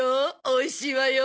おいしいわよ。